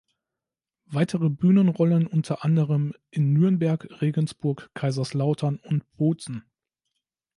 Weitere Bühnenrollen unter anderem in Nürnberg, Regensburg, Kaiserslautern und Bozen.